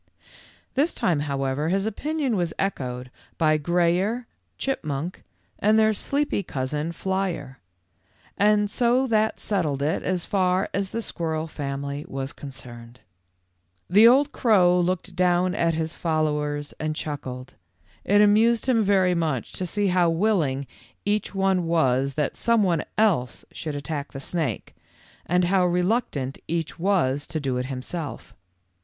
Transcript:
This time, however, his opinion was echoed by Grayer, Chipmunk, and their sleepy cousin, Flyer ; so that settled it as far as the squirrel family was concerned. The old crow looked down at his followers and chuckled. It amused him very much to see how willing each one was that some one else should attack the snake, and how reluctant each was to do it himself.